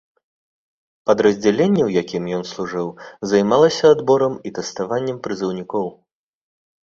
Падраздзяленне, у якім ён служыў, займалася адборам і тэставаннем прызыўнікоў.